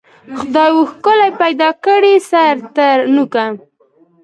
خدای وو ښکلی پیدا کړی سر تر نوکه